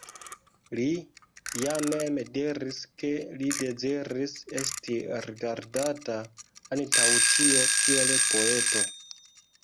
Li ja mem diris ke li deziris esti rigardata, antaŭ ĉio, kiel poeto.